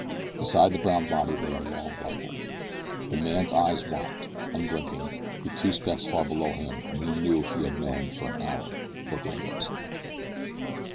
Beside the brown body lay a long rifle. The man's eyes watched, unblinking, the two specks far below him whom he knew and had known for an hour were gringos.